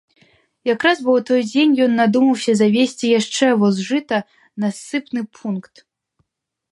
Якраз бо ў той дзень ён надумаўся завезці яшчэ воз жыта на ссыпны пункт.